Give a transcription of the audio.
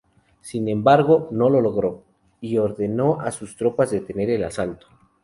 Sin embargo, no lo logró, y ordenó a sus tropas detener el asalto.